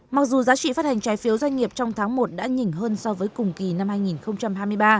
mặc dù giá trị phát hành trái phiếu doanh nghiệp trong tháng một đã nhỉnh hơn so với cùng kỳ năm hai nghìn hai mươi ba